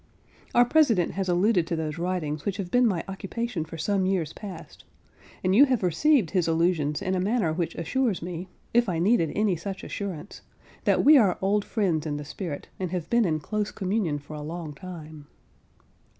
Our President has alluded to those writings which have been my occupation for some years past; and you have received his allusions in a manner which assures me—if I needed any such assurance—that we are old friends in the spirit, and have been in close communion for a long time.